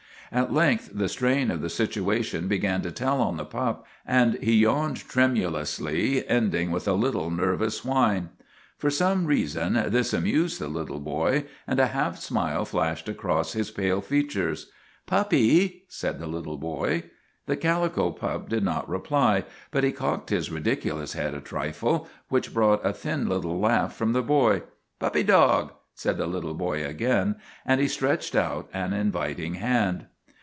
At length the strain of the situation began to tell on the pup, and he yawned tremulously, ending with a little nervous whine. For some reason this amused the little boy, and a half smile flashed across his pale features. " Puppy," said the little boy. The calico pup did not reply, but he cocked his ridiculous head a trifle, which brought a thin little laugh from the child. " Puppy dog," said the little boy again, and he stretched out an inviting hand.